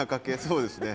そうですね。